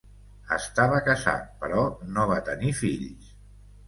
Estava casat però no va tenir fills.